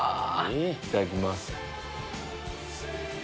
いただきます。